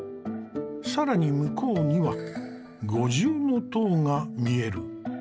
更に向こうには五重塔が見える。